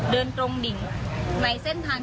เดินตรงดิ่งในเส้นทาง